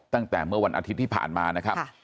ตั้งแต่เมื่อวันอาทิตย์ที่ผ่านมานะครับ